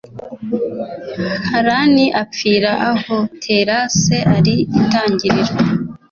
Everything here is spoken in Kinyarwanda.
Harani apfira aho Tera se ari Itangiriro